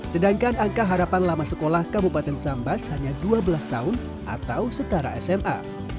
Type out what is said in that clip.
sedangkan angka harapan lama sekolah kabupaten sambas hanya dua belas tahun atau setara sma